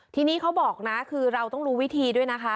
ทีนี้เขาบอกนะคือเราต้องรู้วิธีด้วยนะคะ